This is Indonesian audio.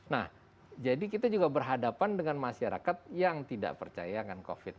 nah jadi kita juga berhadapan dengan masyarakat yang tidak percaya akan covid sembilan belas